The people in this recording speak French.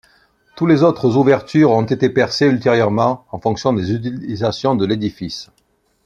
Toutes les autres ouvertures ont été percées ultérieurement en fonction des utilisations de l’édifice.